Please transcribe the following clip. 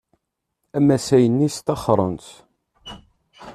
Amasay-nni sṭaxren-t.